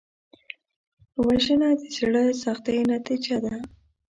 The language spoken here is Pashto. وژنه د زړه سختۍ نتیجه ده